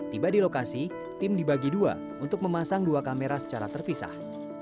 tiba di lokasi tim dibagi dua untuk memasang dua kamera secara terpisah